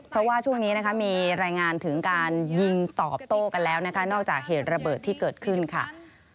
เพราะว่าช่วงนี้นะคะมีรายงานถึงการยิงตอบโต้กันแล้วนะคะนอกจากเหตุระเบิดที่เกิดขึ้นค่ะ